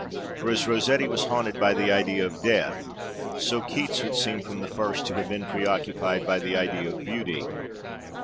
For as Rossetti was haunted by the idea of death, so Keats would seem from the first to have been preoccupied by the idea of beauty.